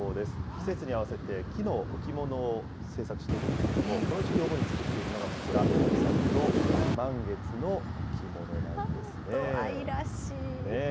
季節に合わせて木の置物を制作しているんですけれども、この時期、主に作っているのがこちら、なんと愛らしい。ねぇ。